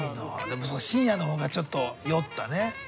でも深夜の方がちょっと酔ったね。